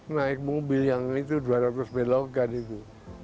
naik mobil yang itu dua ratus belokan itu